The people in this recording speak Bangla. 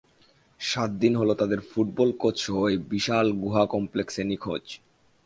সাত দিন হল তাদের ফুটবল কোচ সহ এই বিশাল গুহা কমপ্লেক্সে নিখোঁজ।